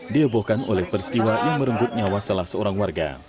dihebohkan oleh peristiwa yang merenggut nyawa salah seorang warga